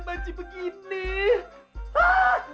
kalau berjalan seru